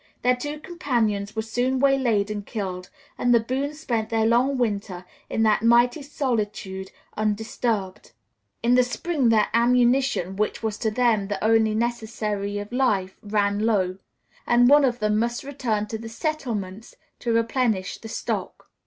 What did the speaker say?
Their two companions were soon waylaid and killed, and the Boones spent their long winter in that mighty solitude undisturbed. In the spring their ammunition, which was to them the only necessary of life, ran low, and one of them must return to the settlements to replenish the stock.